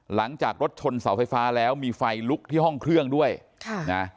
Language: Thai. หลังจากรถชนเสาไฟฟ้าแล้วมีไฟลุกที่ห้องเครื่องด้วยค่ะนะ